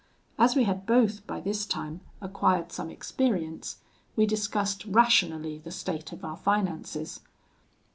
As we had both, by this time, acquired some experience, we discussed rationally the state of our finances.